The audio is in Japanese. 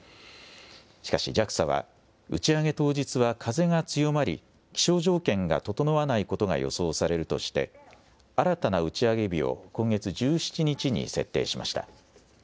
しかし、ＪＡＸＡは打ち上げ当日は風が強まり、気象条件が整わないことが予想されるとして、新たな打ち上げ日を今月１７日に設定しました。